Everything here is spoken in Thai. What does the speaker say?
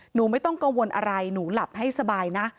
ไม่ต้องกังวลอะไรหนูหลับให้สบายนะ